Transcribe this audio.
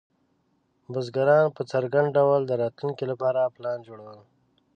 بزګران په څرګند ډول د راتلونکي لپاره پلان جوړول.